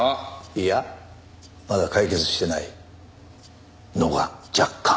いやまだ解決してないのが若干。